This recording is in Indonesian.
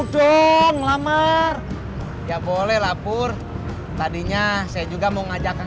jumlah berang ada di kotak